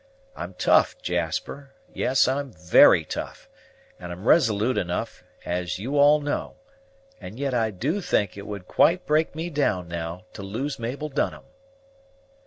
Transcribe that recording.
I'm tough, Jasper; yes, I'm very tough; and I'm risolute enough, as you all know; and yet I do think it would quite break me down, now, to lose Mabel Dunham!"